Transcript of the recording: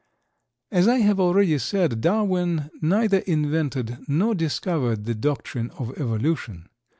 As I have already said, Darwin neither invented nor discovered the doctrine of Evolution.